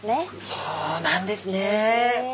そうなんですね。